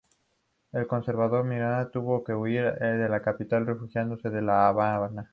El conservador Miramón tuvo que huir de la capital, refugiándose en la Habana.